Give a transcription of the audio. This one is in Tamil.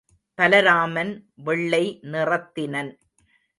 பலராமன் வெள்ளை நிறைத்தினன்.